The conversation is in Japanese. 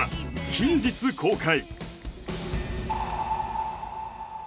近日公開！